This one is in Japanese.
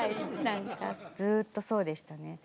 何かずっとそうでしたね。